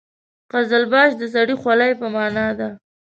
قزلباش د سرې خولۍ په معنا ده.